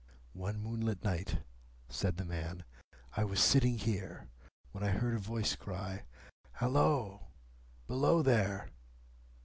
"One moonlight night," said the man, "I was sitting here, when I heard a voice cry, 'Halloa! Below there!